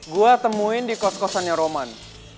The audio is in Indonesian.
gue temuin di kos kosannya roman